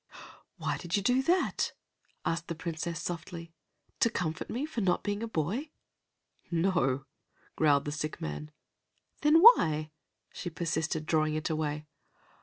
"Why did you do that?" asked the Princess softly. "To comfort me for not being a boy?" "No," growled the sick man. "Then why?" she persisted, drawing it away.